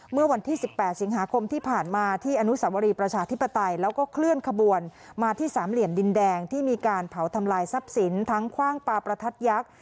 เมื่อวันที่๑๘สิงหาคมที่ผ่านมาที่อนุสาวรีประชาธิปไตยแล้วก็เคลื่อนขบวนมาที่สามเหลี่ยมดินแดงที่มีการเผาทำลายทรัพย์สินทั้งคว่างปลาประทัดยักษ์